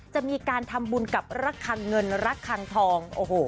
จะมีการทำบุญกับรักครังเงินรักครังทอง